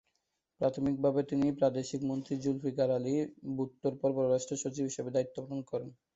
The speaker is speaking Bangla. প্রাথমিকভাবে তিনি প্রাদেশিক মন্ত্রী জুলফিকার আলী ভুট্টোর পর পররাষ্ট্র সচিব হিসেবে দায়িত্ব পালন করেন।